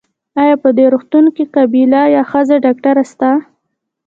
ایا په دي روغتون کې قابیله یا ښځېنه ډاکټره سته؟